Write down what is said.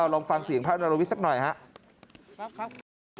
ลองฟังเสียงพระนรวิทย์สักหน่อยครับ